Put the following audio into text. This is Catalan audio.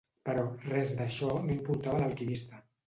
Però res d'això no importava a l'alquimista.